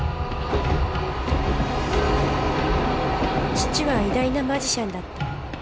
父は偉大なマジシャンだった